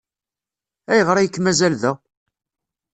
Ayɣer ay k-mazal da?